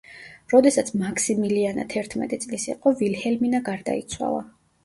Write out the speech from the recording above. როდესაც მაქსიმილიანა თერთმეტი წლის იყო, ვილჰელმინა გარდაიცვალა.